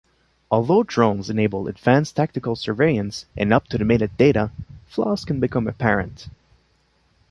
Although drones enable advance tactical surveillance and up-to-the-minute data, flaws can become apparent.